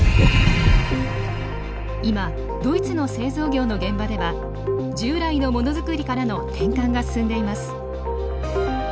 今ドイツの製造業の現場では従来のモノづくりからの転換が進んでいます。